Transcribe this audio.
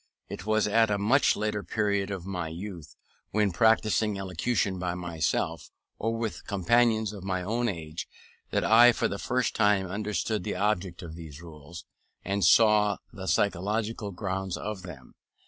It was at a much later period of my youth, when practising elocution by myself, or with companions of my own age, that I for the first time understood the object of his rules, and saw the psychological grounds of them.